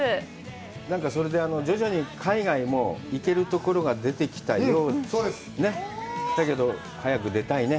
なんかそれで徐々に海外も行けるところが出てきたようでだけど、早く出たいね。